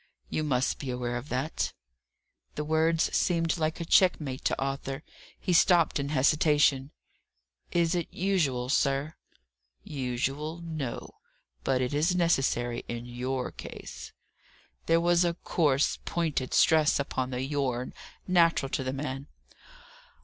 You must be aware of that." The words seemed like a checkmate to Arthur. He stopped in hesitation. "Is it usual, sir?" "Usual no! But it is necessary in your case" There was a coarse, pointed stress upon the "your," natural to the man.